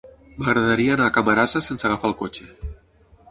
M'agradaria anar a Camarasa sense agafar el cotxe.